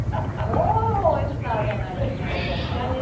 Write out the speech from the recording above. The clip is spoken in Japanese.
もうオイスターじゃないですね後藤さん。何だろう？